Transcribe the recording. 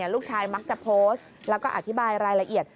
ลูกชายมักจะโพสต์แล้วก็อธิบายรายละเอียด